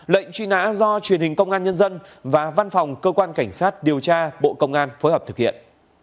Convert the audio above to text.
lệnh truy nã do truyền hình công an nhân dân và văn phòng cơ quan cảnh sát điều tra bộ công an phối hợp thực hiện